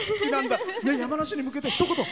山梨に向けてひと言。